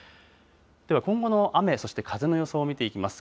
では、今後の雨、そして風の予想を見ていきます。